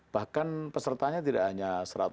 bahkan pesertanya tidak hanya seratus dua ratus